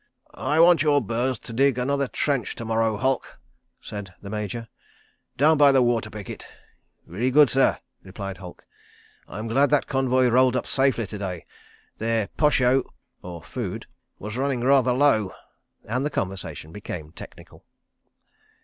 "I want your birds to dig another trench to morrow, Halke," said the Major. "Down by the water picket." "Very good, sir," replied Halke. "I'm glad that convoy rolled up safely to day. Their posho was running rather low ..." and the conversation became technical.